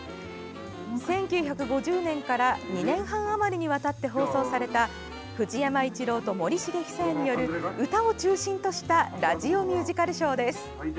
１９５０年から２年半あまりにわたって放送された藤山一郎と森繁久彌による歌を中心としたラジオ・ミュージカルショーです。